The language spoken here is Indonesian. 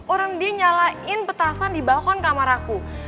orang dia nyalain petasan di balkon kamar aku